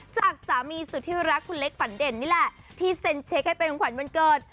จากสามีสุดที่รักคุณเล็กฝันเด่นนี่แหละที่เซ็นเช็คให้เป็นขวัญวันเกิด